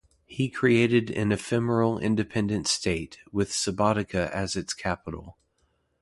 He created an ephemeral independent state, with Subotica as its capital.